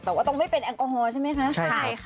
แต่ว่าต้องไม่เป็นแอลกอฮอล์ใช่ไหมครับ